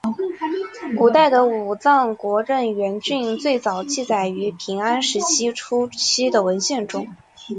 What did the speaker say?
古代的武藏国荏原郡最早记载于平安时代初期的文献中。